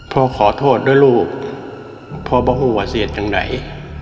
พ่อขอโทษด้วยลูกพ่อบอกหูอ่ะเสียดจังไหน